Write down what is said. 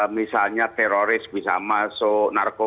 misalnya teroris bisa masuk narkoba